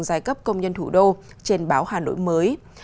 giai cấp công nhân thủ đô trên báo hà nội mới